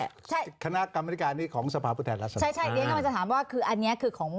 ไม่ใช่ไม่มีการโหวตว่าแก้หรือไม่แก้